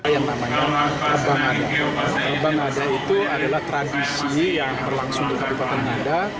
yang namanya reba ngada reba ngada itu adalah tradisi yang berlangsung di kabupaten ngada